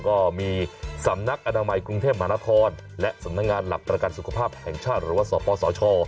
ก็มีสำนักอนามัยกรุงเทพมหานครและสำนักงานหลักประกันสุขภาพแห่งชาติหรือว่าสปสช